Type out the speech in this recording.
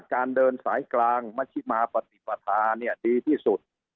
การเดินสายกลางมัชิมาปฏิปธาเนี่ยดีที่สุด